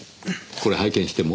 これ拝見しても？